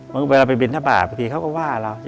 เวลาบินทบาทแบบก็ว่าเรา